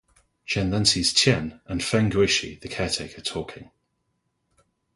Chen then sees Tien and Feng Guishi, the caretaker, talking.